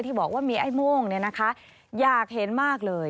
ที่บอกว่ามีไอ้โม่งเนี่ยนะคะอยากเห็นมากเลย